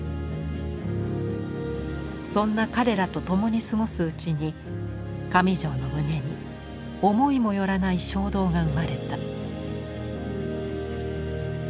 そんな彼らと共に過ごすうちに上條の胸に思いもよらない衝動が生まれた。